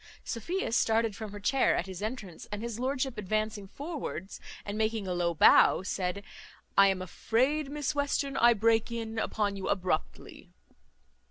Sophia started from her chair at his entrance; and his lordship advancing forwards, and making a low bow, said, "I am afraid, Miss Western, I break in upon you abruptly."